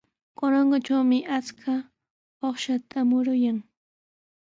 Corongotrawmi achka akshuta muruyan.